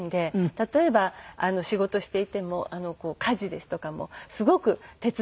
例えば仕事していても家事ですとかもすごく手伝ってくれますし。